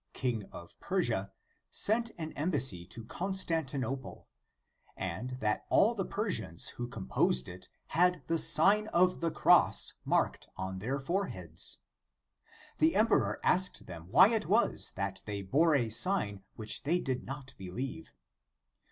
king of Persia, sent an embassy to Constan tinople, and that all the Persians who com posed it had the Sign of the Cross marked on their foreheads. The emperor asked them why it was that they bore a sign in which they did not believe.